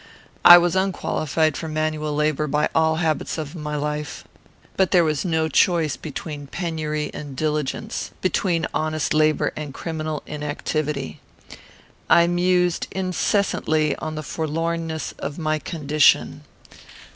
I was unqualified for manual labour by all the habits of my life; but there was no choice between penury and diligence, between honest labour and criminal inactivity. I mused incessantly on the forlornness of my condition.